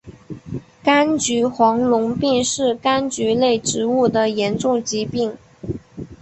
柑橘黄龙病是柑橘类植物的严重疾病。